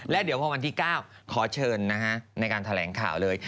แล้วเดี๋ยวพอวันที่๙ขอเชิญในการแถลงข่าวเลย